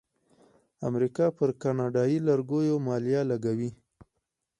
امریکا پر کاناډایی لرګیو مالیه لګوي.